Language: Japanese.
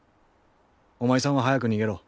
おまいさんは早く逃げろ。